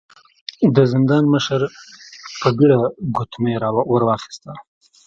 د زندان مشر په بيړه ګوتمۍ ور واخيسته.